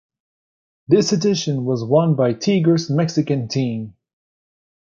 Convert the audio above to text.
This edition was won by Tigres Mexican team.